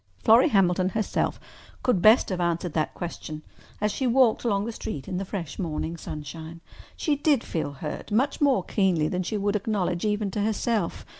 Florrie Hamilton herself could best have answered that question as she walked along the street in the fresh morning sunshine. She did feel hurt—much more keenly than she would acknowledge even to herself.